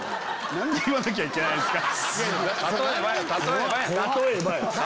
何で言わなきゃいけないんすか。